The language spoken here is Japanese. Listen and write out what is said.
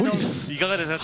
いかがですか？